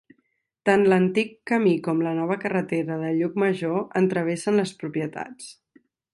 Tant l’antic camí com la nova carretera de Llucmajor en travessen les propietats.